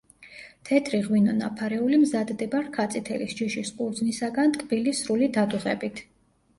თეთრი ღვინო „ნაფარეული“ მზადდება რქაწითელის ჯიშის ყურძნისაგან ტკბილის სრული დადუღებით.